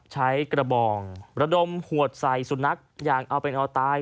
ใช้กระบองระดมขวดใส่สุนัขอย่างเอาเป็นเอาตาย